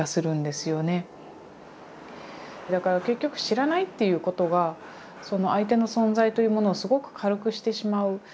だから結局知らないっていうことが相手の存在というものをすごく軽くしてしまう。